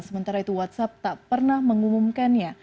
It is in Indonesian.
sementara itu whatsapp tak pernah mengumumkannya